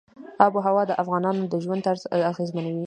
آب وهوا د افغانانو د ژوند طرز اغېزمنوي.